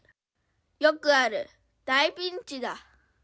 よくある大ピンチだ。